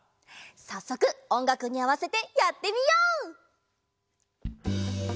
さっそくおんがくにあわせてやってみよう！